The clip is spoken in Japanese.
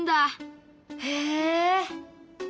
へえ。